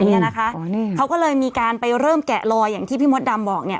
นี่นะคะเขาก็เลยมีการไปเริ่มแกะลอยอย่างที่พี่มศดัมมณ์บอกนี่